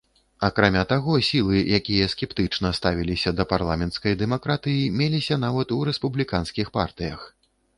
Акрамя таго сілы, якія скептычна ставіліся да парламенцкай дэмакратыі, меліся нават у рэспубліканскіх партыях.